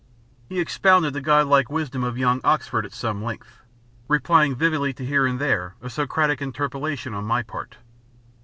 He expounded the godlike wisdom of young Oxford at some length, replying vividly to here and there a Socratic interpolation on my part.